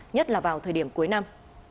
nhất là vào thời điểm cuối năm